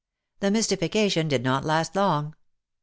The mystification did not last long.